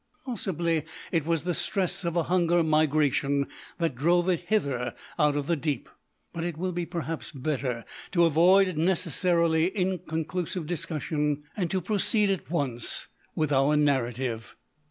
Possibly it was the stress of a hunger migration that drove it hither out of the deep. But it will be, perhaps, better to avoid necessarily inconclusive discussion, and to proceed at once with our narrative.